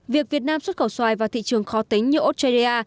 việc việt nam xuất khẩu xoài vào thị trường khó tính như australia